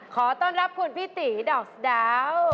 ขอต้อนรับคุณพี่ตีดอกสะดาว